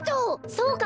そうか！